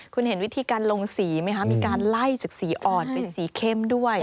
คุณเห็นวิธีการลงสีไหมคะมีการไล่จากสีอ่อนเป็นสีเข้มด้วย